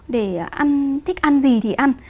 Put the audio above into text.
để thích ăn gì thì ăn